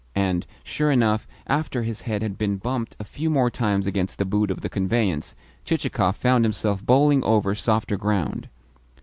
And, sure enough, after his head had been bumped a few more times against the boot of the conveyance, Chichikov found himself bowling over softer ground.